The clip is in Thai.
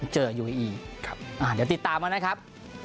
เจอครับอ่าเดี๋ยวติดตามมานะครับ